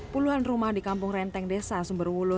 puluhan rumah di kampung renteng desa sumberwulu